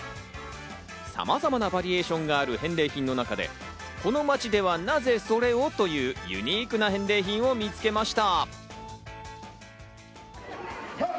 さまざまなバリエーションがある返礼品の中でこの町ではなぜそれを？というユニークな返礼品を見つけました。